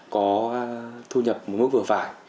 có thu nhập một mức vừa phải